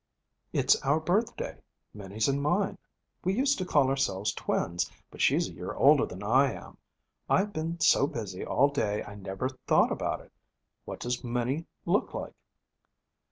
'It's our birthday Minnie's and mine. We used to call ourselves twins, but she's a year older than I am. I've been so busy all day I never thought about it. What does Minnie look like?'